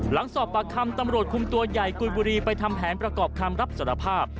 หลังสอบปากคำตำรวจคุมตัวใหญ่กุยบุรีไปทำแผนประกอบคำรับสารภาพ